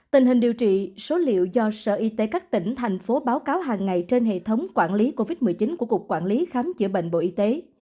tình hình điều trị số liệu do sở y tế các tỉnh thành phố báo cáo hàng ngày trên hệ thống quản lý covid một mươi chín của cục quản lý khám chữa bệnh bộ y tế